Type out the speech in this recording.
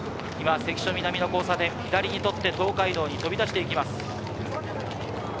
今、関所南の交差点を左にとって、東海道に飛び出していきます。